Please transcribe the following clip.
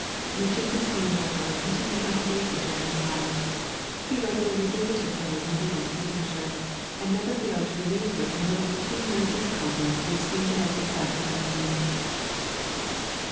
Newton's esteem for her continued unabated during his life. He regularly visited her when he went to Lincolnshire, and never failed to relieve her from little pecuniary difficulties which seem to have beset her family."